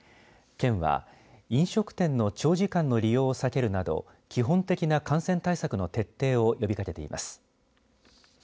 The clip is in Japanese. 県は飲食店の長時間の利用を避けるなど基本的な感染対策の徹底を呼びかけています。